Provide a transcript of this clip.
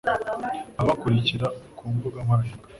ababakurikira ku mbuga nkoranyambaga